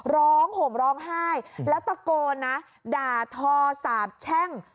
ห่มร้องไห้แล้วตะโกนนะด่าทอสาบแช่ง